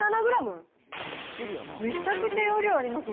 めちゃくちゃ用量ありますね。